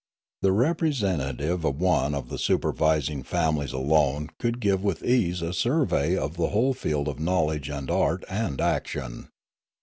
The representative of Fialume 81 one of the supervising families alone could give with ease a survey of the whole field of knowledge and art and action.